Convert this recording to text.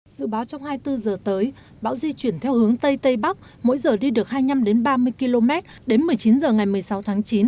dự báo trong hai mươi bốn giờ tới bão di chuyển theo hướng tây tây bắc mỗi giờ đi được hai mươi năm ba mươi km đến một mươi chín h ngày một mươi sáu tháng chín